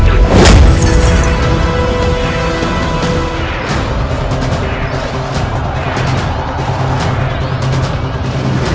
aku tidak peduli